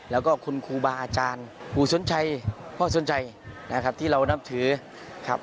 แล้วก็คุณครูบาอาจารย์ครูสนชัยพ่อสนใจนะครับที่เรานับถือครับ